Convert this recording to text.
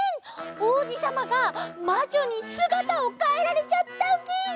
おうじさまがまじょにすがたをかえられちゃったウキ！